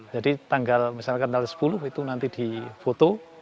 jadi tanggal misalkan tanggal sepuluh itu nanti difoto